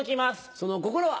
その心は？